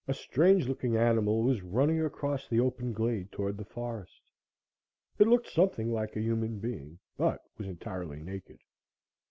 A strange looking animal was running across the open glade toward the forest. It looked something like a human being, but was entirely naked.